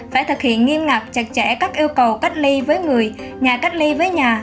phải thực hiện nghiêm ngặt chặt chẽ các yêu cầu cách ly với người nhà cách ly với nhà